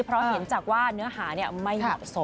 เพราะเห็นจากว่าเนื้อหาไม่เหมาะสม